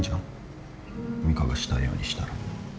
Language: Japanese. ミカがしたいようにしたら。